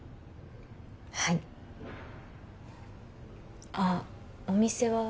はいあっお店は？